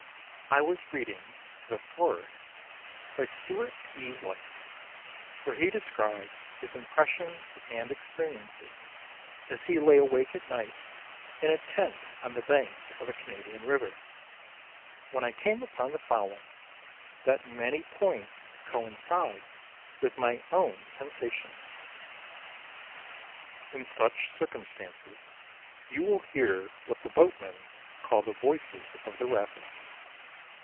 I was reading "The Forest," by Stewart E. White, where he describes his impressions and experiences as he lay awake at night in a tent on the banks of a Canadian river, when I came upon the following, that in many points coincides with my own sensations:— "In such circumstances you will hear what the boatmen call the voices of the rapids.